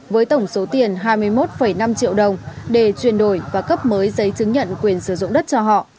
với tổng số tiền hai mươi một năm triệu đồng để chuyển đổi và cấp mới giấy chứng nhận quyền sử dụng đất cho họ